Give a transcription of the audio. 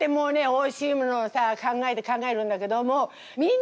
おいしいものをさ考えて考えるんだけどもみんながやらないことってさ